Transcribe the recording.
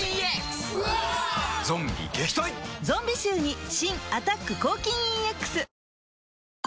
ゾンビ臭に新「アタック抗菌ＥＸ」